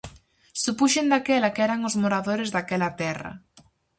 Supuxen daquela que eran os moradores daquela terra.